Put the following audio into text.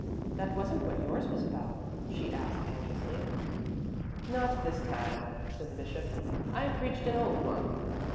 That wasn't what yours was about?" she asked anxiously. "Not this time," said the bishop; "I preached an old one."